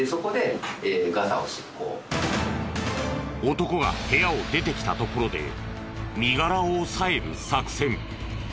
男が部屋を出てきたところで身柄を押さえる作戦。